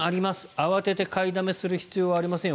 慌てて買いだめする必要はありませんよ